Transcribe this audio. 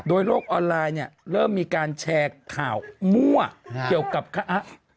โดยโลกออนไลน์เนี่ยเริ่มมีการแชร์ข่าวมั่วเกี่ยวกับคะ